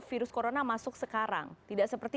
virus corona masuk sekarang tidak seperti